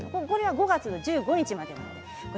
５月の１５日までです。